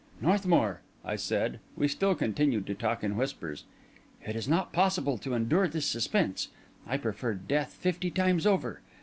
"Northmour," I said (we still continued to talk in whispers), "it is not possible to endure this suspense. I prefer death fifty times over.